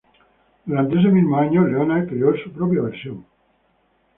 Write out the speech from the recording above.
Durante ese mismo año, Leona creó su propia versión.